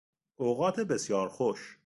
اوقات بسیار خوش